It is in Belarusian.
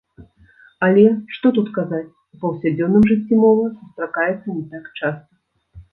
Але, што тут казаць, у паўсядзённым жыцці мова сустракаецца не так часта.